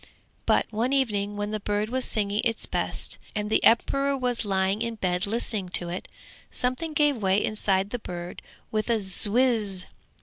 But one evening when the bird was singing its best, and the emperor was lying in bed listening to it, something gave way inside the bird with a 'whizz.'